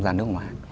ra nước ngoài